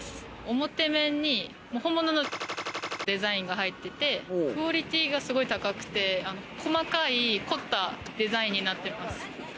表面に本物のデザインが入ってて、クオリティーがすごい高くて、細かい凝ったデザインになってます。